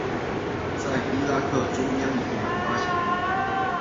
由伊拉克中央银行发行。